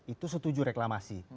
itu setuju reklamasi